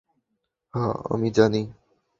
হ্যাঁ আমি জানি।